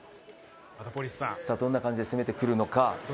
さあどんな感じで攻めてくるのか。